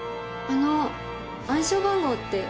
あの暗証番号って。